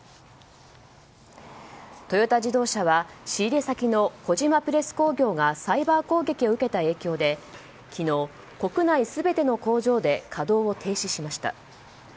トヨタ自動車は仕入れ先の小島プレス工業がサイバー攻撃を受けた影響で昨日、国内全ての工場で稼働を停止しました。